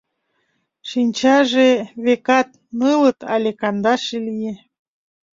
Шинчаже, векат, нылыт але кандаше лие.